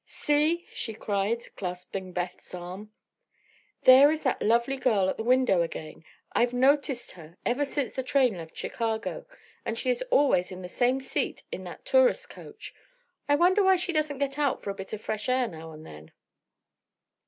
"See!" she cried, clasping Beth's arm; "there is that lovely girl at the window again. I've noticed her ever since the train left Chicago, and she is always in the same seat in that tourist coach. I wonder why she doesn't get out for a bit of fresh air now and then."